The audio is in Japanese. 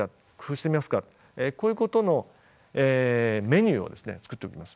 こういうことのメニューを作っておきます。